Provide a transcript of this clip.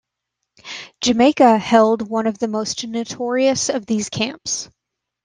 Jamaica held one of the most notorious of these camps.